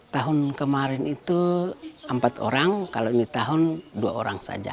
tahun kemarin itu empat orang kalau ini tahun dua orang saja